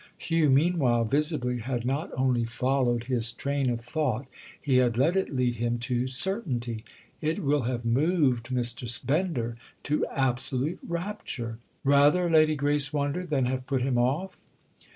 Hugh meanwhile, visibly, had not only followed his train of thought, he had let it lead him to certainty. "It will have moved Mr. Bender to absolute rapture." "Rather," Lady Grace wondered, "than have put him off?"